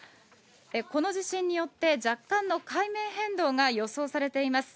この地震によって若干の海面変動が予想されています。